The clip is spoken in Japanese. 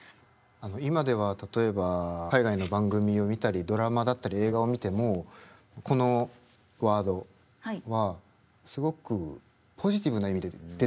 今では例えば海外の番組を見たりドラマだったり映画を見てもこのワードはすごくポジティブな意味で出てくる。